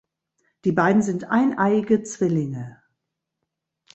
Die beiden sind eineiige Zwillinge.